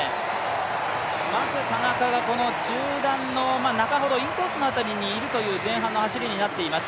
まず田中がこの中団の中ほど、インコースの辺りにいるということになります。